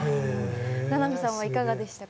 名波さんはいかがですか？